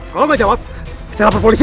kalau gak jawab saya lapar polisi